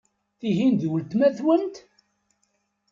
Tihin d weltma-twent?